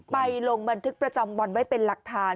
ลงบันทึกประจำวันไว้เป็นหลักฐาน